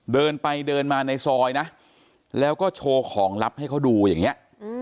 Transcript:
เดินไปเดินมาในซอยนะแล้วก็โชว์ของลับให้เขาดูอย่างนี้